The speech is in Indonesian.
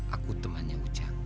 aku temannya ujang